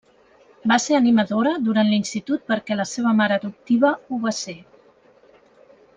Va ser animadora durant l'institut perquè la seva mare adoptiva ho va ser.